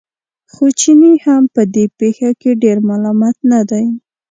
خو چینی هم په دې پېښه کې ډېر ملامت نه دی.